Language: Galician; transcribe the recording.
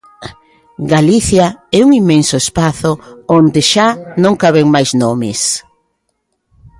Galicia é un inmenso espazo onde xa non caben máis nomes.